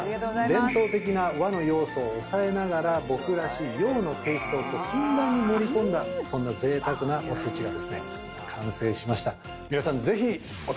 伝統的な和の要素を押さえながら僕らしい洋のテイストをふんだんに盛り込んだそんな贅沢なおせちが完成しました。